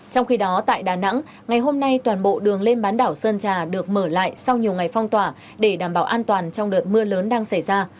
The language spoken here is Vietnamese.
trong khi đó tại đà nẵng ngày hôm nay toàn bộ đường lên bán đảo sơn trà được mở lại sau nhiều ngày phong tỏa để đảm bảo an toàn trong đợt mưa lớn đang xảy ra